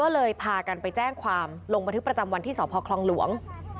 ลงประทึกประจำวันที่สพคลองหลวง